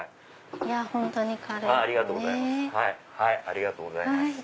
ありがとうございます。